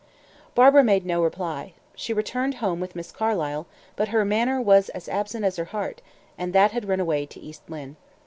Barbara made no reply. She returned home with Miss Carlyle, but her manner was as absent as her heart, and that had run away to East Lynne.